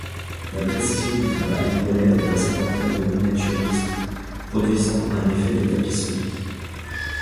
La précision du travail relève d'un savoir-faire de miniaturiste produisant un effet de tapisserie.